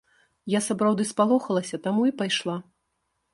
Я сапраўды спалохалася, таму і пайшла.